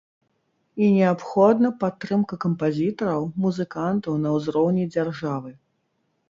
І неабходна падтрымка кампазітараў, музыкантаў на ўзроўні дзяржавы.